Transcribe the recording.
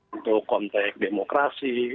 untuk konteks demokrasi